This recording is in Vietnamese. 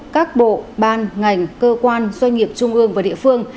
các bộ ban ngành cơ quan doanh nghiệp trung ương và địa phương